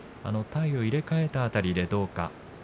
体を入れ替えた辺りでどうか。